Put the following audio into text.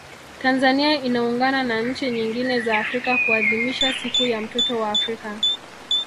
Tanzania inaungana na nchi nyingine za Afrika kuadhimisha siku ya mtoto wa Afrika